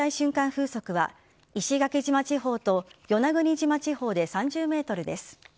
風速は石垣島地方と与那国島地方で３０メートルです。